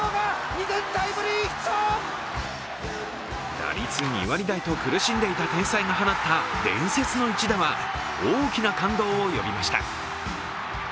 打率２割台と苦しんでいた天才が放った伝説の一打は大きな感動を呼びました。